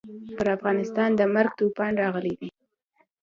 پر افغانستان د مرګ توپان راغلی دی.